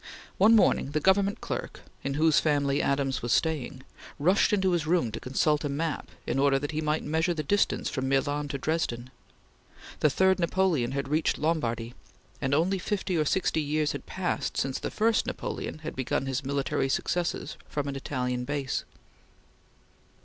One morning the government clerk, in whose family Adams was staying, rushed into his room to consult a map in order that he might measure the distance from Milan to Dresden. The third Napoleon had reached Lombardy, and only fifty or sixty years had passed since the first Napoleon had begun his military successes from an Italian base.